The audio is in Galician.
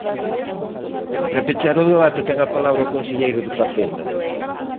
Para pechar o debate ten a palabra o conselleiro de Facenda.